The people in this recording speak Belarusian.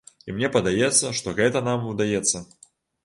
І мне падаецца, што гэта нам удаецца.